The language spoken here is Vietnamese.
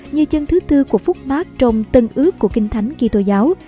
như chân thứ tư của phúc mark trong tân ước của kinh thánh kỳ tô giáo